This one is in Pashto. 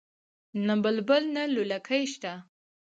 نه بلبل نه لولکۍ شته